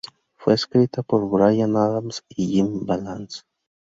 Fue escrita por Bryan Adams y Jim Vallance.